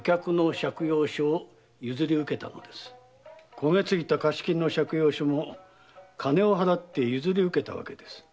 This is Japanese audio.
焦げ付いた貸し金の借用書も金を払って譲り受けたわけです。